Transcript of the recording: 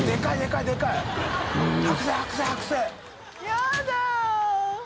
やだ。